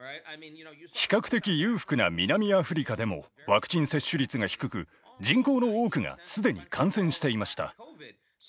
比較的裕福な南アフリカでもワクチン接種率が低く人口の多くが既に感染していました。